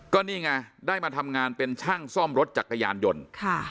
ก็นี่ไงได้มาทำงานเป็นช่างซ่อมรถจักรยานยนต์ค่ะ